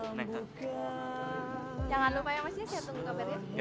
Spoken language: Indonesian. jangan lupa ya mas ya saya tunggu kabarnya